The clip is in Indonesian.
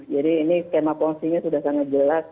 jadi ini skema pungsinya sudah sangat jelas